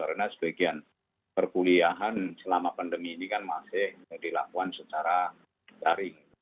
karena sebagian perkuliahan selama pandemi ini kan masih dilakukan secara jaring